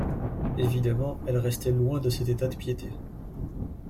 Évidemment, elle restait loin de cet état de piété.